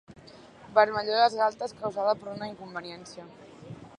Vermellor a les galtes causada per una inconveniència.